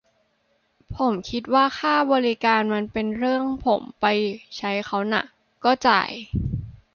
ผมคิดว่าค่าบริการมันเป็นเรื่องผมไปใช้เค้าน่ะ ก็จ่าย